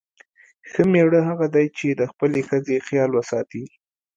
ښه میړه هغه دی چې د خپلې ښځې خیال وساتي.